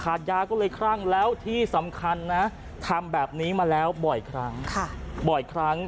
ขาดยาก็เลยเครื่องแล้วที่สำคัญนะทำแบบนี้มาแล้วบ่อยครั้ง